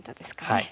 はい。